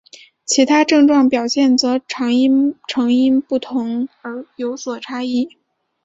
其他症状表现则常因成因不同而有所差异。